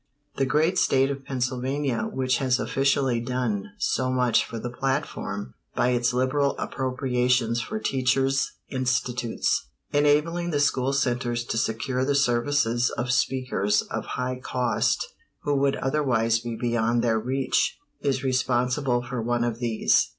The great State of Pennsylvania, which has "officially" done so much for the platform by its liberal appropriations for teachers' institutes, enabling the school centers to secure the services of speakers of high cost who would otherwise be beyond their reach, is responsible for one of these.